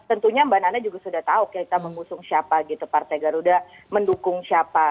tentunya mbak nana juga sudah tahu kita mengusung siapa gitu partai garuda mendukung siapa